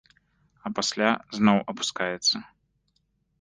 А пасля зноў апускаецца.